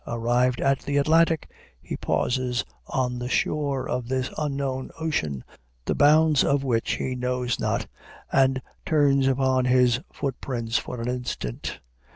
Arrived at the Atlantic, he pauses on the shore of this unknown ocean, the bounds of which he knows not, and turns upon his footprints for an instant."